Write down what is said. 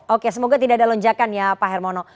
oke semoga tidak ada lonjakan ya pak hermono